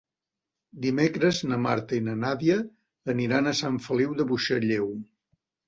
Dimecres na Marta i na Nàdia aniran a Sant Feliu de Buixalleu.